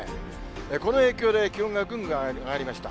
この影響で、気温がぐんぐん上がりました。